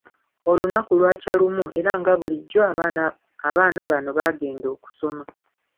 Olunaku lwakya lumu era nga bulijjo abaana bano baagenda okusoma.